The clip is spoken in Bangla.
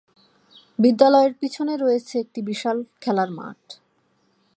বিদ্যালয়ের পিছনে রয়েছে একটি বিশাল খেলার মাঠ।